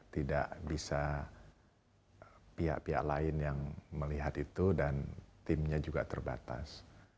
tidak bisa pihak pihak lain yang melihat itu dan timnya juga terbatas